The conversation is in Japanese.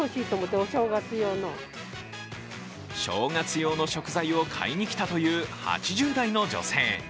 正月用の食材を買いに来たという８０代の女性。